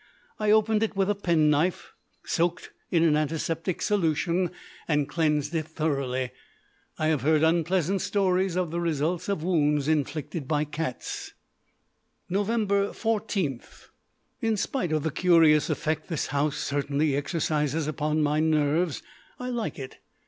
I opened it with a penknife soaked in an antiseptic solution, and cleansed it thoroughly. I have heard unpleasant stories of the results of wounds inflicted by cats. Nov. 14. In spite of the curious effect this house certainly exercises upon my nerves, I like it.